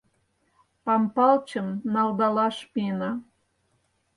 Пампалчым налдалаш миена!